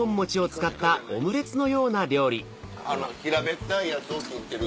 平べったいやつを切ってる。